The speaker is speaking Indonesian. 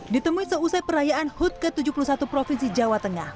ditemui seusai perayaan hut ke tujuh puluh satu provinsi jawa tengah